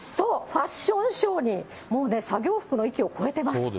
ファッションショーに、もうね、作業服の域を超えてます。